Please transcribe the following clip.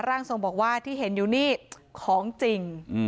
ร่างทรงบอกว่าที่เห็นอยู่นี่ของจริง